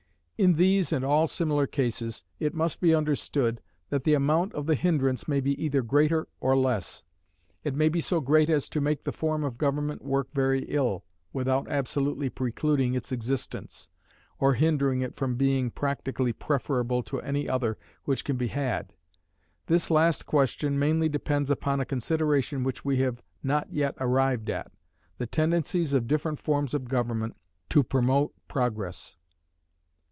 In these and all similar cases, it must be understood that the amount of the hindrance may be either greater or less. It may be so great as to make the form of government work very ill, without absolutely precluding its existence, or hindering it from being practically preferable to any other which can be had. This last question mainly depends upon a consideration which we have not yet arrived at the tendencies of different forms of government to promote Progress.